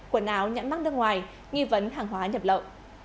quần áo nhẵn mắt nước ngoài nghi vấn hàng hóa nhập lợi